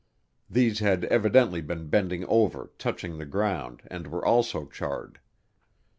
These had evidently been bending over touching the ground and were also charred.